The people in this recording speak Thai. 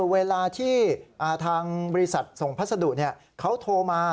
เวลาที่ทางบริษัทส่งพัสดุเขาโทรมา